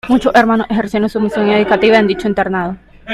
Muchos Hermanos ejercieron su misión educativa en dicho internado.